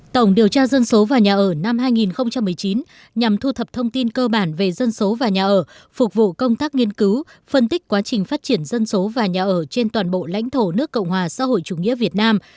tổng điều tra dân số và nhà ở năm hai nghìn một mươi chín nhằm thu thập thông tin cơ bản về dân số và nhà ở phục vụ công tác nghiên cứu phân tích quá trình phát triển dân số và nhà ở trên toàn bộ lãnh thổ nước cộng hòa xã hội chủ nghĩa việt nam